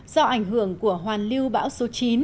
do ảnh hưởng của hoàn lưu bão số chín